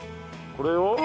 これを？